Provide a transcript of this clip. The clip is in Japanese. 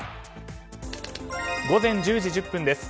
午前１０時１０分です。